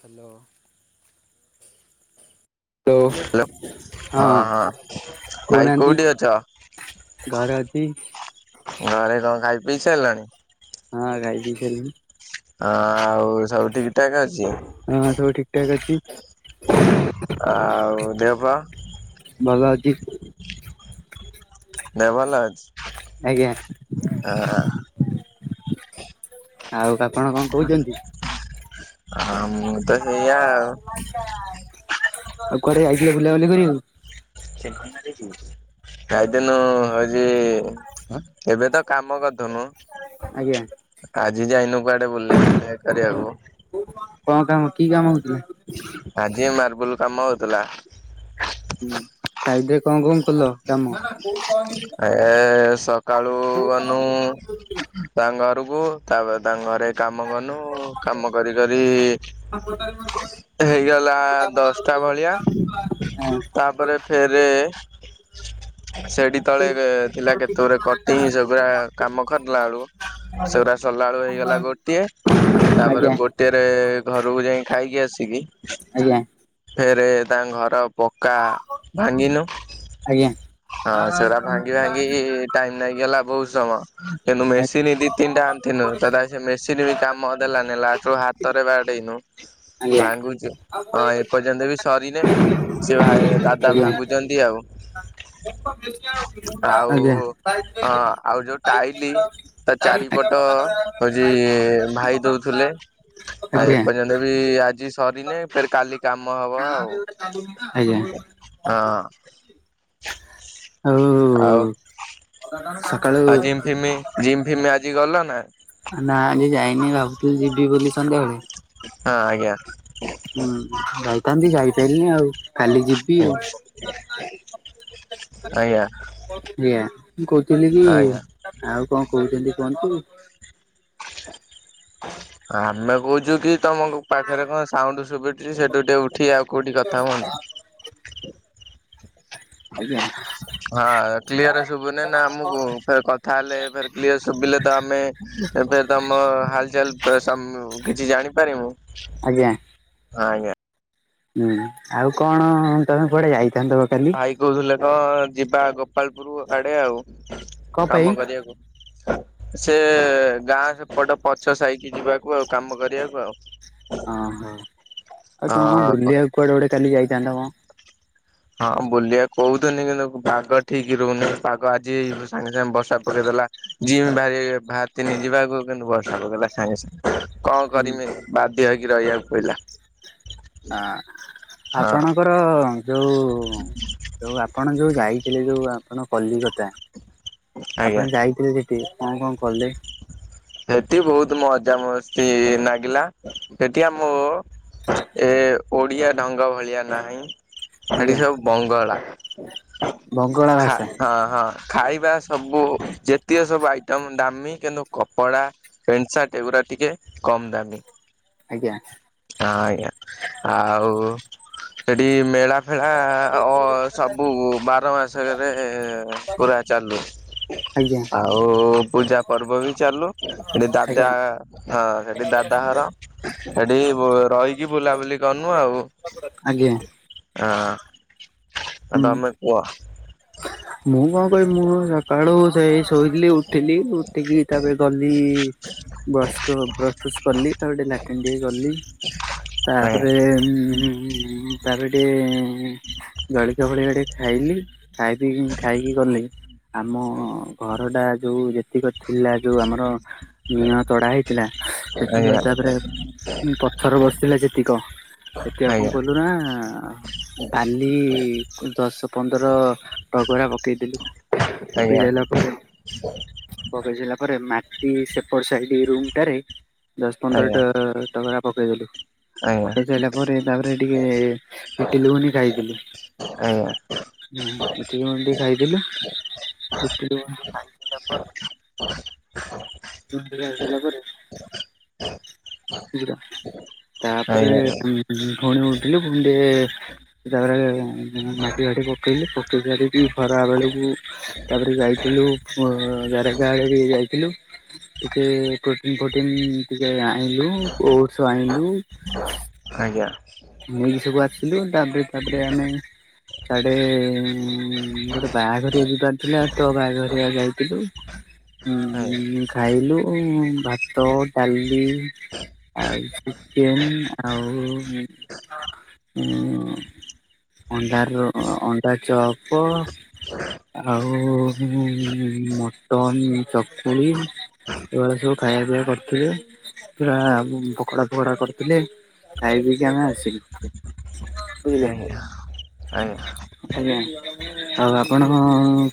Hello hello ହଁ ହଁ ଭାଇ କହୁନାହାନ୍ତି କୋଉଠି ଅଛ ଘରେ ଅଛି ଘରେ କଣ ଖାଇ ପିଇ ସାରିଲାଣି [unintelligible] ହଁ ଆଉ ସବୁ ଠିକଠାକ୍ ଅଛି ହଁ ସବୁ ଠିକ ଠାକ ଅଛି ଆଉ ଦେହ ପାହ ଭଲ ଅଛି ଦେହ ଭଲ ଅଛି ଆଜ୍ଞା ହଁ ହଁ ଆଉ କ ଆଉ ମୁଁ ତ ସେଇଆ ଆଉ ଆଉ କୁଆଡେ ଯାଇିଥିଲେ ବୁଲାବୁଲି କରିଵାକୁ [unintelligible] କାଇଦିନୁ ହଉଛି ଏବେ ତ କାମ କରିଦୁନୁ ଆଜ୍ଞା ଆଜି ଯାଇନୁ କୁଆଡେ ବୁଲା ବୁଲି କରିବାକୁ କଣ୍ କାମ କି କାମ ହଉଛି ଆଜି ମାର୍ବଲ କାମ ହଉଥିଲା ହଁ ତା ଭିତେରେ କଣ କଣ କଲ କାମ? ହେ ସକାଳୁ ଗନୁ ତାଙ୍କ ଘରକୁ ତାପରେ ତାଙ୍କ ଘରେ କାମ କନୁ କାମ କରି କରି ହେଇଗଲା ଦଶଟା ଭଳିଆ ତା ତାପରେ ଫେରେ ସେଠି କେତେଳେ ଥିଲା କେତେ ଗୁରେ କଟିଂ ସେଗୁଡ଼ା କାମ କରିଲା ବେଳକୁ ସେଗୁରା ସଲାଳୁ ହେଇଗଲା ଗୋଟିଏ ତାପରେ ଆଜ୍ଞା। ଗୋ ଟେରେ ଘରକୁ ଯାଇ ଖାଇକି ଆସିକି ଆଜ୍ଞା। ଫେରେ ତାଙ୍କ ଘର ପକା ଭାଙ୍ଗିଲୁ ଆଜ୍ଞା ଆ ଭାଙ୍ଗି ଭାଙ୍ଗି କି ଟାଇମ ଲାଗିଗଲା ବହୁତ ସମୟ। କିନ୍ତୁ ଆଜ୍ଞା। ମେସିନି ଦି ତିନିଟା ଆଣିଥିଲୁ ତଥାପି ସେ ମେସିନି ବି କାମ ଦେଲାନି ଲାଷ୍ଟରୁ ହାତ ତରେ ବାଡେଇନୁ। ଆଜ୍ଞା। ଭାଙ୍ଗୁଛୁ ହଁ ଏପର୍ଯ୍ୟନ୍ତ ବି ସରିନେ ଆଜ୍ଞା। ସେ ଦାଦା ଆଜ୍ଞା। ଭାଙ୍ଗୁଛନ୍ତି ଆଉ। [unintelligible] ଆଉ ଅ ଆଉ ଯୋଉ ଟାଇଲି ତା ଚାରିପଟ ହଉଛି ଭାଇ ଦଉଥିଲେ ଆଉ ଏପର୍ଯ୍ୟନ୍ତ ବି ଆଜି ଆଜିସରିନେ ଫେର କାଲି କାମ ହବ ଆଉ ଆଜ୍ଞା। ହଁ। ଆଉ ସକାଳୁ ଆଉ ଜିମ୍ ଫିମ, ଜିମ୍ ଫିମ ଆଜି ଗଲ ନାଁ। ନା ଆଜି ଯାଇନି ଭାବୁଥିଲି ଯିବି ବୋଲି ସନ୍ଧ୍ୟାବେଳେ। ହଁ ଆଜ୍ଞା। ହୁଁ ଯାଇଥାନ୍ତି ଯାଇପାରିନି ଆଉ କାଲି ଯିବି ଆଉ। [inaudible] ଅୟା ଆଞା ମୁଁ କହୁଥିଲି କି ଆଉ କଣ କହୁଚନ୍ତି କୁହନ୍ତୁ। ଆମେ କହୁଚୁକିତମ ପାଖରେ କଣ ସାଉଣ୍ଡ ସୁବୁ ସେଠୁ ଟିକିଏଉଠି ଆଉ କଉଠି କଥା ହୁଅନ୍ତୁ। ଆଜ୍ଞା। ହଁ କ୍ଲିୟର ଶୁଭୁନି ନା ଆମକୁ ଫେର କଥା ହେଲେ ଫେର କ୍ଲିୟର ଶୁଭିଲେ ତ ଆମେ ଏବେ ତମ ହାଲଚାଲ ସମ କିଛି ଜାଣିପାରିବୁ। ଆଜ୍ଞା ଆଜ୍ଞା। ହୁଁ ଆଉ କଣ ତମେ କୁଆଡେ ଯାଇଥାନ୍ତ ବା କାଲି। ଏଇ କହୁଥିଲେ କଣ ଯିବା ଗୋପାଳପୁର ଆଡେ କଣ ଆଉ ପାଇଁ କାମ କରିବାକୁ। ସେ ଗାଁ ସେପଟ ପଛ ସାଇକି ଯିବାକୁ ଆଉ କାମ କରିବାକୁ ଆଉ। ଅହଁ ଆଉ ତମ କଣ ହଁ। ବୁଲିବାକୁ କୁଆଡେ ଗୋଟେ କାଲି ଯାଇଥାନ୍ତା କଣ? ହଁ ବୁଲିବା କହୁଥନି କିନ୍ତୁ ପାଗ ଠିକ୍ ରହୁନି ପାଗ ଆଜି ସାଙ୍ଗେ ସାଙ୍ଗେ ବର୍ଷା ପକେଇଦେଲା। ଯିମି ବାହାରି ବାହାରଥିନି ଯିବାକୁ କିନ୍ତୁ ବର୍ଷାପକେଇଲା ସାଙ୍ଗେ ସାଙ୍ଗେ। କଣ ହୁଁ କରମି ବାଧ୍ୟ ହେଇକି ରହିବାକୁ ପଇଲା। ଅଁ ହଁ ଆପଣଙ୍କ ର ଯୋଉ, ଯୋଉ ଆପଣ ଯୋଉ ଯାଇଥିଲେ ଯୋଉ ଆପଣ କଲିକତା ଆଜ୍ଞା ଆପଣ ଯାଇଥିଲେ ସେଠି କଣ କଣ କଲେ? ସେଠି ବହୁତ ମଜାମସ୍ତି ନାଗିଲା ସେଠି ଆମୋ [inaudible] ଏ ଓଡ଼ିଆ ଢଙ୍ଗ ଭଳିଆ ନାହିଁ। ସେଠି ଆଜ୍ଞା ସବୁ ବଙ୍ଗଳା ବଙ୍ଗଳା ଖା ଭାଷା ହଁ ହଁ। ଖାଇବା ସବୁ ଯେତିୀୟ ସବୁ ଆଇଟମ୍ ଦାମୀ କିନ୍ତୁ କ ପଡ଼ା ପ୍ୟାଣ୍ଟ ସାର୍ଟ ଏଗୁଡ଼ା ଟିକିଏ କମ୍ ଦାମୀ। ଆଜ୍ଞା ହଁ ଆଜ୍ଞା ଆଉ ସେଠି ମେଳା ମେଳା ସବୁ ବାର ମାସରେ ପୁରା ଚାଲୁ। ଆଜ୍ଞା ଆଉ ପୂଜା ପର୍ବ ବି ଚାଲୁ ସେଠି ଆଜ୍ଞା ଦାଦା ହଁ ସେଠି ଦାଦା ଘର ସେଠି ରହିକି ବୁଲାବୁଲି କରନୁ ଆଉ ଆଜ୍ଞା ଆଜ୍ଞା ହଁ। ଆ ହୁଁ। ତମେ କୁହ? ମୁଁ କଣ କହିବି ମୁଁ ସକାଳୁ ସେଇ ଶୋଇଥିଲି ଉଠିଲି ଉଠିକି ତାପରେ ଗଲି ବ୍ରସ୍ କ ବ୍ରେକ ଫାଷ୍ଟ କଲି ତା ପରେ ଟିକେ ଲାଟ୍ରନ୍ ଟିକେ ଗଲି ଆଜ୍ଞା ତାପରେ ତାପରେ ଟିକେ ଜଲିଖିଆ ଫଳିଖିଆ ଟିକେ ଖାଇଲି ଖାଇ ପିଇକି ଖାଇକି ଗଲି ଆମ ଆଜ୍ଞା ଘର ଟା ଯୋଉ ଯେତିକି ଥିଲା ଯୋଉ ଆମର ନିହଁ ତଡା ହେଇ ଥିଲା ସେ ଆଜ୍ଞା ଆଜ୍ଞା ତାପରେ ପଥର ବସିଥିଲା ଯେତିକ ସେଠି ଆଉ କଣ ଆଜ୍ଞା କଲୁ ନା ବାଲି ଦଶ ପନ୍ଦର ଟ୍ରକ ଭଳିଆ ପକେଇଦଲୁ। ଆଜ୍ଞା ପକାଇସାଇଲା ପରେ ପକାଇସାଇଲା ପରେ ମା ସେପଟ ସାଇଡ ରୁମ ଟାରେ ଦଶ ପନ୍ଦର ଆଜ୍ଞା ଟ୍ରକ ଭଳିଆ ପକେଇଦଲୁ। ପକାଇ ସାରିଲା ପରେ ତାପରେ ଟିକେ ଇଟିଲି ଗୁଗୁନି ଖାଇଥିଲି। ଆଜ୍ଞା ହୁଁ ଇଟିଲି ଗୁଗୁନି ଟିକେ ଖାଇଥିଲୁ, ଇଟିଲି ଗୁଗୁନି ଟିକେ ଖାଇସାରିଲା ପରେ [unintelligible] ବୁଝିଲ ତାପରେ ଆଜ୍ଞା ଫୁଣି ଉଠିଲି ଫୁଣି ଟିକେ ତାପରେ ମାଟି ବାଡି ପକେଇଲି ପକେଇ ଶାରିକି ଖରା ବେଳକୁ ତାପରେ ଯାଇଥିଲୁ ଜାରକା ଆଡେ ବି ଯାଇଥିଲୁ। ଟିକେ ପ୍ରୋଟିନ୍ ପ୍ରୋଟିନ୍ ଟିକେ ଲୁ ଓଟସ ଆଣିଲୁ ଆଜ୍ଞା ମୁଇ ସବୁ ଆସିଲୁ ତାପରେ ତାପରେ ଆମେ ସାଡେ ଗୋଟେ ବାହାଘରିଆ ଯିବାର ଥିଲା ତ ବାହାଘରିଆ ଯାଇଥିଲୁ। ଆଜ୍ଞା ଉ ଖାଇଲୁ ଭାତ ଡାଲି ଆଉ ଚିକେନ ଆଉ ଉଁ ଅଣ୍ଡାର ଅଣ୍ଡା ଚପ ଆଉ ମଟନ୍ ଚକୁଳି ଏଇ ଭଳିଆ ସବୁ ଖାଇବା ପିଇବା କରିଥିଲେ। ପୁରା ପକଡା ଫକଡା କରିଥିଲେ ଖାଇ ପିକି ଆମେ ଆସିଲୁ। ବୁଝିଲେ? ଆଜ୍ଞା ଆଜ୍ଞା ଆଜ୍ଞା। ଆଉ ଆପଣ କ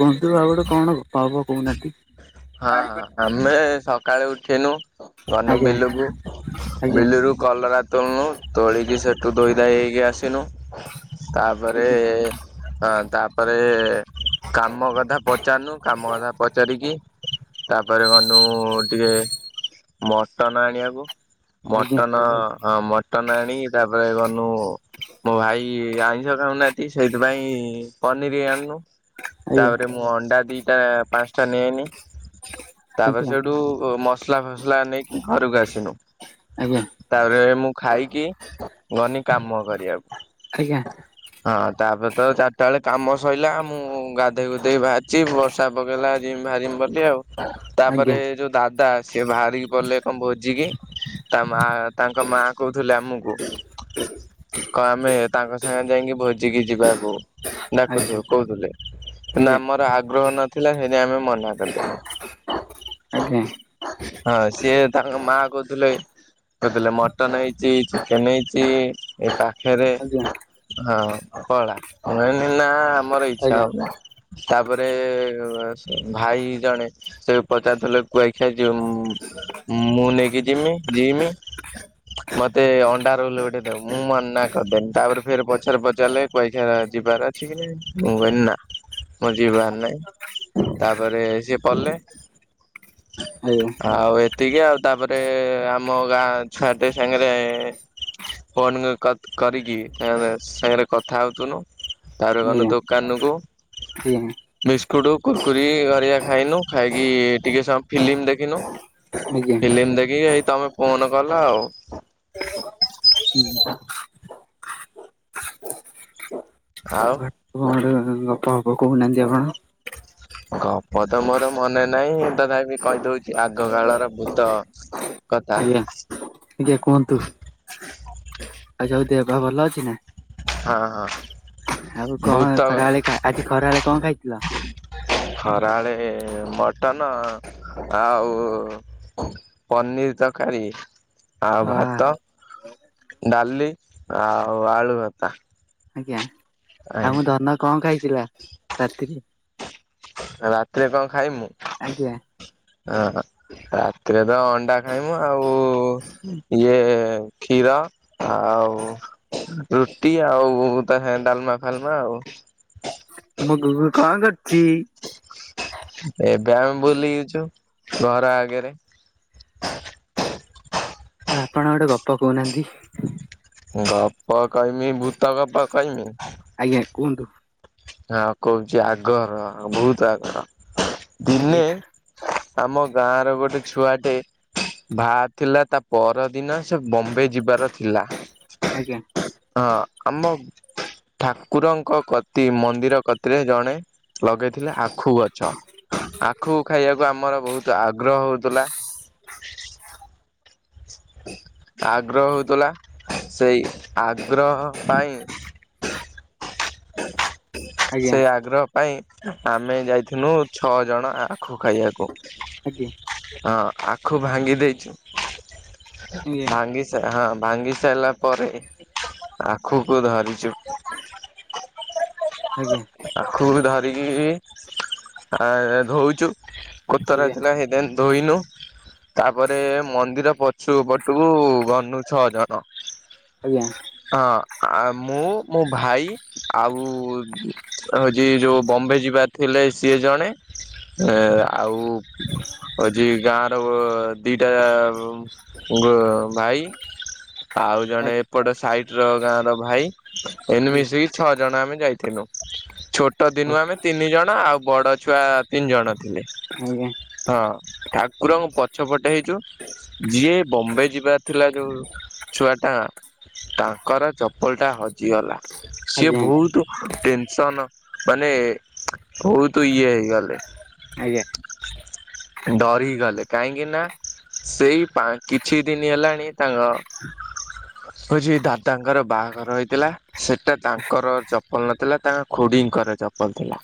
କୁହନ୍ତୁ ଆଉ ଗୋଟେ କଣ ପାବ କହୁନାହାନ୍ତି ହଁ ହଁ ଆମେ ସକାଳେ ଉଠିନୁ ଘନୁ ଆଜ୍ଞା ବିଲୁକୁ ଆଜ୍ଞା ବିଲୁରୁ କଲରା ତୋଳୁନୁ ତୋଳିକି ସେଠୁ ଧୁୋଇ ଧାଇ ହେଇକି ଆସିନୁ ତାପରେ ଆଜ୍ଞା ହଁ ତାପରେ କାମ କଥା ପଚାରୁନୁ କାମ କଥା ପଚାରିକି ତାପରେ ଗନୁ ଟିକେ ମଟନ ଆଣିବାକୁ ଆଜ୍ଞା ମଟନ ହଁ ମ ଟନ ଆଣିକି ତାପରେ ଗନୁ ମୋ ଭାଇ ଆଇଁଷ ଖାଉନା କି ସେଇଥିପାଇଁ ପନିରି ଆନୁ ତାପରେ ମୁଁ ଅଣ୍ଡା ଦିଟା ପାସ୍ଟା ନେନି ତାପରେ ଆଜ୍ଞା ସେଇଠୁ ମସ୍ଲା ଫସ୍ଲା ନେଇକି ଘରକୁ ଆସିନୁ ଆଜ୍ଞା ତାପରେ ମୁଁ ଖାଇକି ଗନି କାମ କରିବାକୁ ଆଜ୍ଞା ହଁ ତାପରେ ତ ଚାର୍ଟା ବେଳେ କାମ ସଇଲା ମୁଁ ଗାଧେଇ ଗୁଧେଇକି ବାହାର୍ଚି ବର୍ଷା ପକେଇଲା ହାରି ମୁ ଭାରିିମି ଆଉ ତାପରେ ଆଜ୍ଞା ଯୋଉ ଦାଦା ସିଏ ବାହାରିକି ପଲେ କଣ ଭୋଜିିକି ତାମା ତାଙ୍କ ମା କହୁଥିଲେ ଆମକୁ କ ଆମେ ତାଙ୍କ ସାଙ୍ଗେ ଯାଇଙ୍କି ଭୋଜିିକି ଯିବାକୁ ଆଜ୍ଞା ଡାକୁଛୁ ଆଜ୍ଞା କହୁଥିଲେ କିନ୍ତୁ ଆଜ୍ଞା ଆମର ଆଗ୍ରହ ନଥିଲା ହେଇଥି ପାଇଁ ଆମେ ମନା ଆଜ୍ଞା ହଁ ସିଏ ତାଙ୍କ ମା କହୁଥିଲେ କହୁଥିଲେ ମଟନ ହେଇଚି ଚିକେନେ ନେଇଚି ଏ ପାଖେରେ ଆଜ୍ଞା ହଁ କଳା ମୁ କହିନି ନା ଆମର ଆଜ୍ଞା ଇଛା ହେଉନେଇ ତାପରେ ଭାଇ ଜଣେ ସେବି ପଚାରୁଥିଲେ କୁଆଖିଆ ଯିବ ମୁ ମୁଁ ନେଇକି ଯିମି ଯିମି ମତେ ଅଣ୍ଡା ରୋଲ ଗୋଟେ ଦବୁ ମୁଁ ମନା କରଦେନି ତାପରେ ଫେରେ ପଛରେ ପଚାର୍ଲେ କୁଆଖିଆ ଯିବାର ଅଛି କି ନାହି ମୁଁ କହିନି ନା ମୋର୍ ଯିବାର୍ ନାହିଁ ତାପରେ ପଲେ ଆଉ ଏତିକି ଆଉ ତାପରେ ଆମ ଗାଁ ଛୁଆ ଟେ ସାଙ୍ଗେରେ ଫୋନ୍ କଥ୍ କରିକି ତା ସାଙ୍ଗେରେ କଥା ହେଉଥୁନୁ ତାପରେ ଗନୁ ଦୋକାନୁକୁ ବିସ୍କୁଟୁ, କୁର୍କୁରି ଘରିଆ ଖାଇନୁ ଖାଇକି ଟିକେ ସମ୍ ଫିଲ୍ମୀ ଦେଖିନୁ ଆଜ୍ଞା ଆଜ୍ଞା ଆଜ୍ଞା ଫିଲ୍ମୀ ଦେଖିକି ହେଇ ତମେ ଫୋନ କଲ ଆଉ। ଉ ହୁ। କ ଆଉ ଭାଟ୍ ଙ୍କ ଗୋଟେ ଗପ ଫପ କହୁନାହାନ୍ତି ଆପଣ। ଗପ ତ ମୋର ମନେ ନାହିଁ ତଥାପି କହିଦଉଛି ଆଗ କାଳର ଭୂତ। କଥା ଆଇରା ଆଜ୍ଞା କୁହନ୍ତୁ ଆଛା ଆଉ ଦେହ ପା ଭଲ ଅଛି ନା? ହଁ ହଁ ଆଉ ଭୂତ କଣ ଖରାବେଳେ ଖା ଆଜି ଖରାବେଳେ ଙ୍କ ଖାଇଥିଲ? ଖରା ବେଳେ ମଟନ ଆଉ ପନିର୍ ତକାରୀ। ଆଉ ଅ ଭାତ, ଡାଲି ଆଉ ଆଳୁ ଭତା। ଆଜ୍ଞା ଆଉ ମୁଁ ଧନ ଙ୍କ ଖାଇଥିଲା ରାତିରେ? ରାତିରେ କଣ ଖାଇବିମୁ? ଆଜ୍ଞା। ଆଁ। ରାତିରେ ତ ଅଣ୍ଡା ଖାଇମୁ ଆଉ ଇଏ କ୍ଷୀର। ଆଉ ରୁଟି ଆଉ ତା ସାଙ୍ଗେ ଡାଲ୍ମା ଫାଲ୍ମା ଆଉ ମୋ ଗୁଗୁ ଙ୍କ କର୍ଚି? ଏବେ ଆମେ ବୁଲିଚୁ ଘର ଆଗେରେ। ଆପଣ ଗୋଟେ ଗପ କହୁନାହାନ୍ତି? ଗପ କହିମି ଭୂତ ଗପ କହିମି? ଆଜ୍ଞା କୁହନ୍ତୁ। ହଁ କହୁଚି ଆଗର ବହୁତ୍ ଆଗର ଆଜ୍ଞା ଦିନେ ଆମ ଗାଁ ର ଗୋଟେ ଛୁଆଟେ ବାହାରେ ଥିଲା ତା ପର ଦିନ ସେ ବମ୍ବେ ଯିବାର ଥିଲା ଆଜ୍ଞା। ହଁ ଆମ ଠାକୁରଙ୍କ କତି ମନ୍ଦିର କତିରେ ଜଣେ ଲଗେଇଥିଲେ ଆଖୁ ଗଛ ଆଖୁ ଖାଇବାକୁ ଆମର ବହୁତୁ ଆଗ୍ରହ ହଉଥିଲା ଆଗ୍ରହ ହଉଥିଲା ସେଇ ଆଗ୍ରହ ପାଇଁ ଆଜ୍ଞା ସେଇ ଆଗ୍ରହ ପାଇଁ ଆମେ ଯାଇଥିଲୁ ଛଅ ଜଣ ଖୁ ଖାଇବାକୁ ଆଜ୍ଞା ହଁ ଆଖୁ ଭାଙ୍ଗି ଦେଇଚୁ ଭାଙ୍ଗି ହଁ ଭାଙ୍ଗି ସାରିଲା ପରେ ଆଖୁକୁ ଧରିଚୁ ଆଜ୍ଞା। ଆଖୁକୁ ଧରିକି ଆ- ଧଉଚୁ କୋତରା ଥିଲା ହେଇତିପାଇଁ ଧୋଇନୁ ତାପରେ ମନ୍ଦିର ପଛୁ ପଟୁକୁ ଗନୁ ଛଅ ଜଣ। ଆଜ୍ଞା। ହଁ- ଆ ମୁଁ ମୋ ଭାଇ ଆଉ ହଉଚି ଯଉ ବମ୍ବେ ଯିବାର ଥିଲେ ସିଏ ଜଣେ ଏ ଆଉ ହଜି ଗାଁ ର ଦିଟା ଗ -ଭାଇ ଆଉ ଜଣେ ଆଜ୍ଞା ଆଜ୍ଞା ଆଜ୍ଞା ଏପଟ ସାଇଟ୍ ର ଗାଁର ଭାଇ ଏମାନେ ମିଶିକି ଛଅ ଜଣ ଆମେ ଯାଇଥିଲୁ ଛୋଟ ଦିନୁ ଆମେ ତିନି ଜଣ ଆଉ ବଡ ଛୁଆ ତିନି ଜଣ ଥିଲେ। ଯିଏ ବମ୍ବେ ଯିବାର ଥିଲା ଯଉ ଛୁଆ ଟା ତାଙ୍କର ଚପଲ୍ ଟା ହଜି ଗଲା। ଆଜ୍ଞା ଆଜ୍ଞା ଆଜ୍ଞା ଆଜ୍ଞା ଆଜ୍ଞା ଆଜ୍ଞା ଆଜ୍ଞା ଆଜ୍ଞା ସିଏ ବହୁତୁ ଟେନସନ୍ ମାନେ ବହୁତୁ ଇଏ ହେଇଗଲେ। ଆଜ୍ଞା। ଡରି ଗଲେ କାହିଁକିନା ସେଇ ପାଁ- କିଛି ଦିନି ହେଲାଣି ତାଙ୍କ ହଉଚି ଦାଦାଙ୍କର ବାହାଘର ହେଇଥିଲା ସେଟା ତାଙ୍କ୍ ଙ୍କର ଚପଲ ନଥିଲା ତାଙ୍କ ଖୁଡିଙ୍କର ଚପଲ୍ ଥିଲା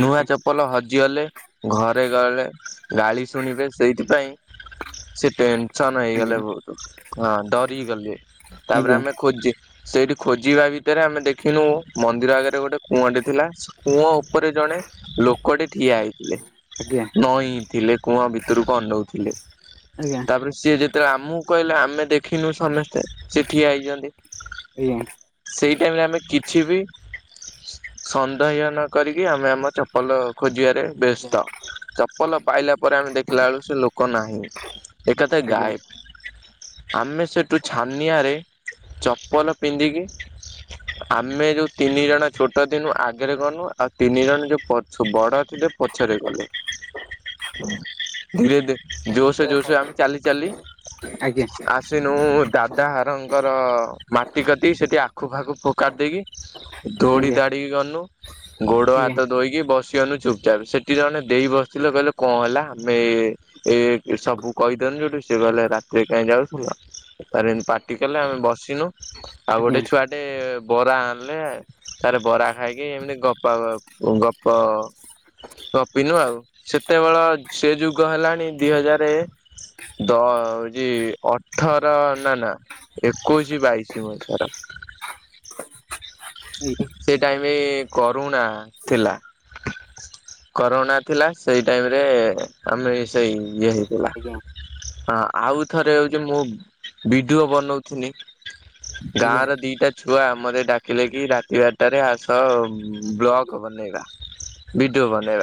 ନୂଆ ଚପଲ୍ ଚପଲ ହଜିଗଲେ ଘରେ ଗଲେ ଗାଳି ଶୁଣିବେ ସେଇଥିପାଇଁ ସେ ଟେନସନ୍ ହେଇଗଲେ ବହୁତୁ ହଁ ଡରି ଗଲେ ତାପରେ ଆମେ ଖୋଜି ସେଇଠି ଖୋଜିବା ଭିତରେ ଆମେ ଦେଖିନୁ ମନ୍ଦିର ଆଗରେ ଗୋଟେ କୁଅଁଟେ ଥିଲା କୂଅ ଉପରେ ଜଣେ ଲୋକଟି ଠିଆ ହେଇଥିଲେ। ଆଜ୍ଞା। ନଇଁ ଥିଲେ କୂଅ ଭିତରକୁ ଅନଉଥିଲେ ଆଜ୍ଞା ଆଜ୍ଞା ତାପରେ ସିଏ ଯେତେବେଳେ ଆମକୁ କହିଲେ ଆମେ ଦେଖିନୁ ସମସ୍ତେ ସେ ଠିଆ ହେଇଚନ୍ତି ହୁଁ। ସେଇ ଟାଇମ୍ ରେ ଆମେ କିଛି ବି ସନ୍ଦେହ ନ କରିକି ଆମେ ଆମ ଚପଲ ଖୋଜିବା ବ୍ୟସ୍ତ ଚପଲ ପାଇଲା ପରେ ଆମେ ଦେଖିଲା ବେଳୁ ସେ ଲୋକ ନାହିଁ। ଏକାଥରେ ଗାୟେବ୍। ଆମେ ସେଠୁ ଛାନିଆରେ ଚପଲ ପିନ୍ଧିକି ଆମେ ଯୋଉ ତିନି ଜଣ ଛୋଟ ଥିଲୁ ଆଗରେ ଗନୁ ଆଉ ତିନି ଜଣ ଯୋଉ ପଛୁ ବଡ ଥିଲେ ପଛରେ ଗଲେ। [inaudible] ଧୀରେ ଧରେ ଜୋସ ଜୋସ ଆମେ ଚାଲି ଚାଲି ଆଜ୍ଞା। ଆସିନୁ ଦାଦା ହାରଙ୍କର ମାଟି କତି ସେଠି ଆଖୁ ଫାଖୁ କାଧେଇକି ଦୌଡି ଦାଡିକି ଗନୁ ଗୋଡ ହାତ ଧୋଇକି ବସ ଗନୁ ଚୁପଚାପ୍ ସେଠି ଜଣେ ଦେଇ ବସିଥିଲେ କହିଲେ କଣ ହେଲା ଆମେ ଏ ସବୁ କହିଦେନୁ ଯୋଉଠୁ ସିଏ କହିଲେ ରାତିରେ କାହିଁ ଯାଉଥିଲ। ତାପରେ ଏମତି ପାଟି କଲେ ଆମେ ବସିନୁ ଆଉ ଗୋଟେ ଛୁଆଟେ ବରା ଆଣିଲେ ତାର ବରା ଖାଇକି ଏମିତି ଗ ପା ଗପ ଗପିନୁ ଆଉ ସେତେବେଳ ସେ ଯୁଗ ହେଲାଣି ଦି ହଜାର ଦ ହଉଛି ଅଠର ନା ନା। ଏକୋଇଶି ବାଇଶି ବର୍ଷ ର। ସେ ଟାଇମ କରୁଣା ଥିଲା। କରୋନା ଥିଲା ସେଇ ଟାଇମ ରେ ଆମେ ସେଇ ଇଏ ହେଇଥିଲା। ହଁ ଆଉ ଥରେ ହଉଛି ମୁଁ ବିଡିଓ ବନଉଥିନି। ଆଜ୍ଞା ଗାଁ ଆଜ୍ଞା ର ଦିଟା ଛୁଆ ମତେ ଡାକିଲେ କି ତି ବାରଟାରେ ଆସ ବ୍ଲଗ ବନେଇବା ଭିଡିଓ ବନେଇବା।